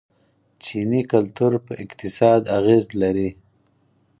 چیني کلتور په اقتصاد اغیز لري.